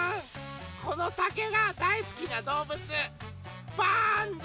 このたけがだいすきなどうぶつパーンダ？